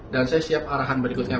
dan saya siap arahan berikutnya pak